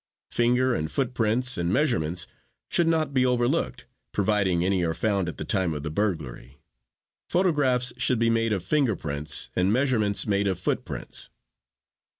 Finger and foot prints and measurements should not be overlooked, providing any are found at the time of the burglary. Photographs should be made of finger prints and measurements made of foot prints.